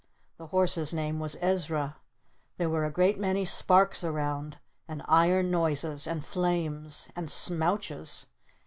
The horse's name was Ezra. There were a great many sparks around! And iron noises! And flames! And smouches!